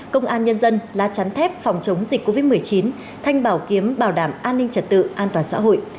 công an nhân dân lá chắn thép phòng chống dịch covid một mươi chín thanh bảo kiếm bảo đảm an ninh trật tự an toàn xã hội